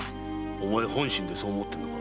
お前本心でそう思ってるのか？